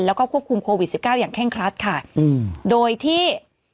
แล้วก็ควบคุมโควิด๑๙อย่างแค่งคลัสค่ะโดยที่